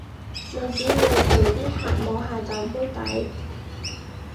你只要陪啲客摸下酒杯底